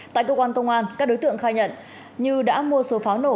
tại cơ quan công an các đối tượng khai nhận như đã mua số pháo nổ